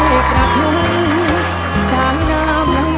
ที่ที่ที่ที่ที่